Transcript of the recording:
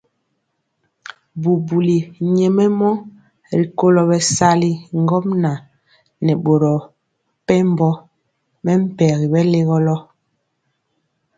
Bubuli nyɛmemɔ rikolo bɛsali ŋgomnaŋ nɛ boro mepempɔ mɛmpegi bɛlegolɔ.